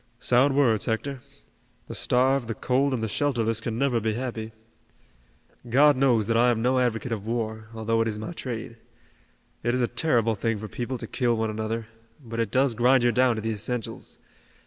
"Sound words, Hector. The starved, the cold and the shelterless can never be happy. God knows that I am no advocate of war, although it is my trade. It is a terrible thing for people to kill one another, but it does grind you down to the essentials.